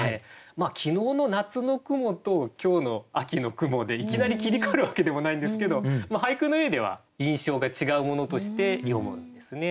まあ昨日の夏の雲と今日の秋の雲でいきなり切り替わるわけでもないんですけど俳句の上では印象が違うものとして詠むんですね。